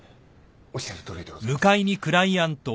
おっしゃるとおりでございます。